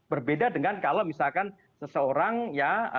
berbeda dengan kalau misalkan seseorang ya